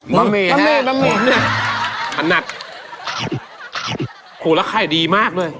บะหมี่บะหมี่เนี่ยถนัดโอ้โหแล้วไข่ดีมากเลย